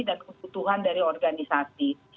dan kebutuhan dari organisasi